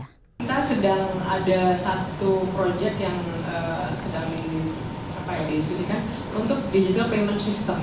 kita sedang ada satu project yang sedang diskusikan untuk digital payment system